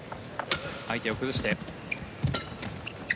相手を崩して。